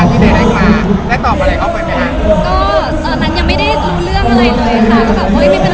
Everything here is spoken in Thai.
มีเรื่องคุยกันอะไรกันไหมครับตอนนั้นที่ได้ได้คุยกับเขา